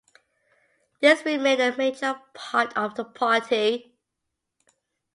This remained a major part of the party.